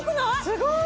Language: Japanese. すごい！